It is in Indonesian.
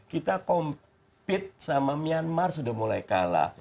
kita compit sama myanmar sudah mulai kalah